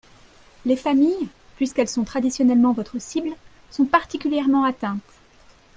Les familles, puisqu’elles sont traditionnellement votre cible, sont particulièrement atteintes.